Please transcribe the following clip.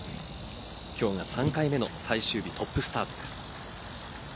今日が３回目の最終日トップスタートです。